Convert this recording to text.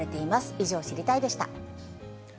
以上、知りたいッ！でした。